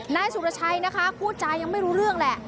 นายสุรชัยนะคะพูดจายังไม่รู้เรื่องแหละ